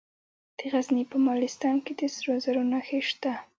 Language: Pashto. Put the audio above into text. د غزني په مالستان کې د سرو زرو نښې شته.